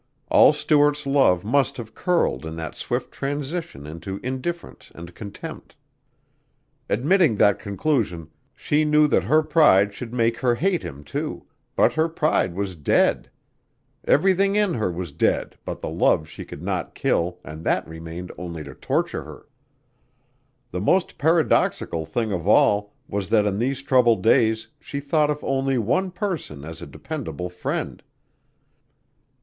All Stuart's love must have curled in that swift transition into indifference and contempt. Admitting that conclusion, she knew that her pride should make her hate him, too, but her pride was dead. Everything in her was dead but the love she could not kill and that remained only to torture her. The most paradoxical thing of all was that in these troubled days she thought of only one person as a dependable friend.